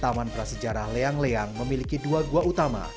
taman prasejarah leang leang memiliki dua gua utama